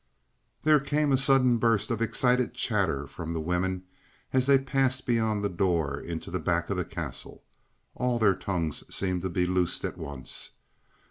There came a sudden burst of excited chatter from the women as they passed beyond the door into the back of the Castle. All their tongues seemed to be loosed at once.